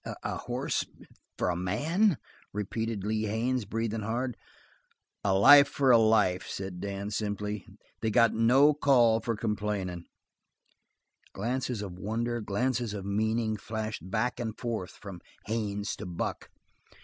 "A horse for a man?" repeated Lee Haines, breathing hard. "A life for a life," said Dan simply. "They got no call for complainin'." Glances of wonder, glances of meaning, flashed back and forth from Haines to Buck.